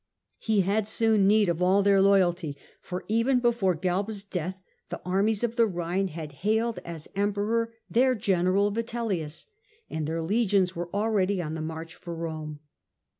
He had soon need of all their loyalty, for even before Galba's death the armies of the Rhine had hailed as Emperor their general Vitellius, and their legions were already on the march for Rome.